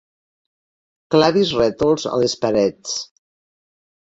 Clavis rètols a les parets.